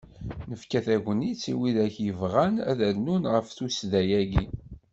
Nefka tagnit i widak i yebɣan ad d-rnun ɣer tudsa-agi.